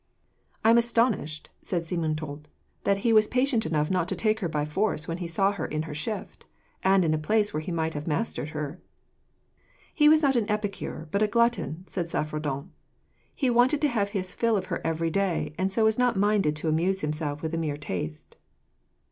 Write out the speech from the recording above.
"I am astonished," said Simontault, "that he was patient enough not to take her by force when he saw her in her shift, and in a place where he might have mastered her." "He was not an epicure, but a glutton," said Saffredent. "He wanted to have his fill of her every day, and so was not minded to amuse himself with a mere taste."